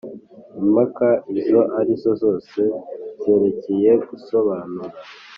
Impaka izo ari zo zose zerekeye gusobanura